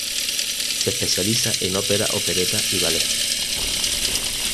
Se especializa en ópera, opereta y ballet.